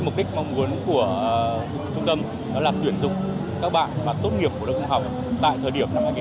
mục đích mong muốn của trung tâm đó là tuyển dụng các bạn và tốt nghiệp của đơn công học tại thời điểm năm hai nghìn một mươi chín